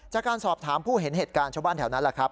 จากการสอบถามผู้เห็นเหตุการณ์ชาวบ้านแถวนั้นแหละครับ